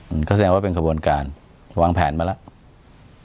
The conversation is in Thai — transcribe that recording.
อืมก็แสดงว่าเป็นขบวนการวางแผนมาแล้ว